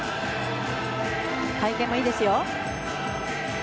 隊形もいいですよ。